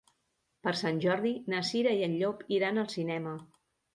Per Sant Jordi na Cira i en Llop iran al cinema.